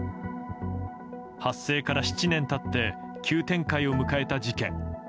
発生から７年経って急展開を迎えた事件。